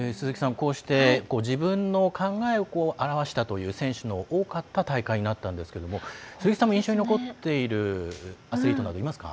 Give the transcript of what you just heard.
こうして自分の考えを表したという選手が多かった大会になったんですけども鈴木さん、印象に残っているアスリートなどいますか？